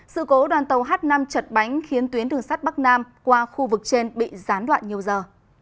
sự cố đoàn tàu h năm chật bánh khiến tuyến đường sắt bắc nam qua khu vực trên bị gián đoạn nhiều giờ